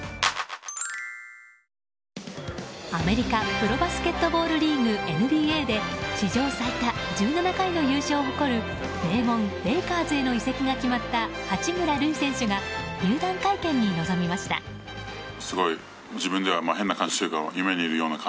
アメリカプロバスケットボールリーグＮＢＡで史上最多１７回の優勝を誇る名門レイカーズへの移籍が決まった八村塁選手が入団会見に臨みました。